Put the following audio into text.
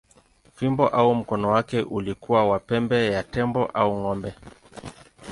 Fimbo au mkono wake ulikuwa wa pembe ya tembo au ng’ombe.